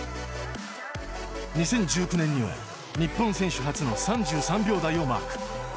２０１９年には日本選手初の３３秒台をマーク。